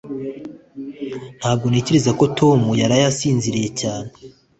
Ntabwo ntekereza ko Tom yaraye asinziriye cyane